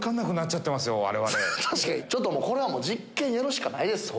確かにちょっともうこれは実験やるしかないです。